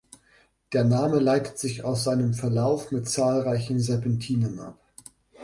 Der Name leitet sich aus seinem Verlauf mit zahlreichen Serpentinen ab.